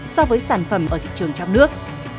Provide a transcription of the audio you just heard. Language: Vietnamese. so với sản phẩm ở thị trường trong nước